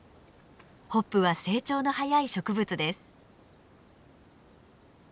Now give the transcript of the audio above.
ホップは成長の速い植物です。